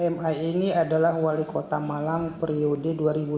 ma ini adalah wali kota malang periode dua ribu tiga belas dua ribu delapan belas